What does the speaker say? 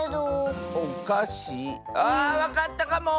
あわかったかも！